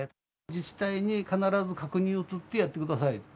自治体に必ず確認を取ってやってくださいと。